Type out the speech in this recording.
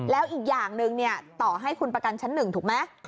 แล้วอีกอย่างนึงเนี่ยต่อให้คุณประกันชั้น๑ถูกไหม